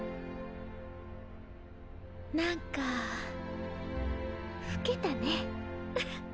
なんか老けたねフフッ。